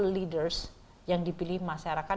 leaders yang dipilih masyarakat